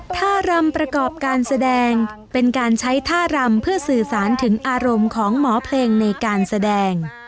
ท่ารำประกอบการแสดงเป็นการใช้ท่ารำเพื่อสื่อสารถึงอารมณ์ของหมอเพลงในการแสดง